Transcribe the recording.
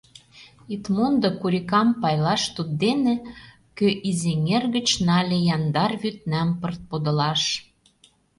Ит мондо курикам пайлаш Туддене, кӧ изэҥер гыч нале Яндар вӱднам пырт подылаш.